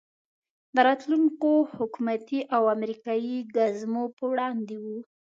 د راتلونکو حکومتي او امریکایي ګزمو په وړاندې وو.